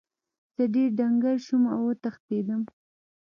زه ډیر ډنګر شوم او وتښتیدم.